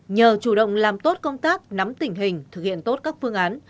nhờ chủ động làm tốt công tác nắm tình hình thực hiện tốt các phương án